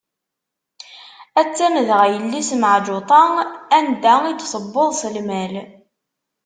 A-tt-an dɣa yelli-s Meɛǧuṭa anda i d-tewweḍ s lmal.